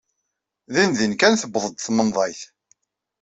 Dindin kan tewweḍ-d tmenḍayt.